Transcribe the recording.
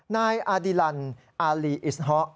นายอาดิลันอาลีอิสฮอะ